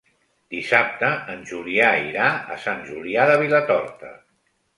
Dissabte en Julià irà a Sant Julià de Vilatorta.